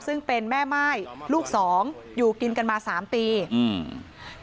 ซึ่งเป็นแม่ม่ายลูกสองอยู่กินกันมาสามปีอืม